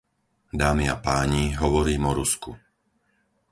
Dámy a páni, hovorím o Rusku.